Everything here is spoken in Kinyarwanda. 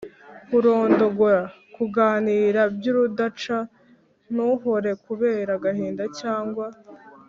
kurondogora : kuganira by’urudaca, ntuhore kubera agahinda cyangwa